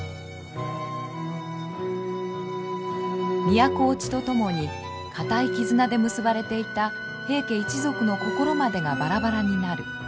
都落ちとともに固い絆で結ばれていた平家一族の心までがばらばらになる。